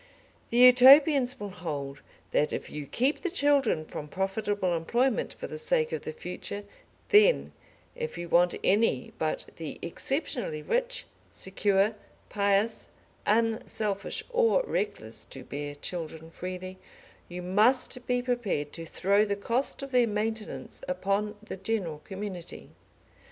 The Utopians will hold that if you keep the children from profitable employment for the sake of the future, then, if you want any but the exceptionally rich, secure, pious, unselfish, or reckless to bear children freely, you must be prepared to throw the cost of their maintenance upon the general community.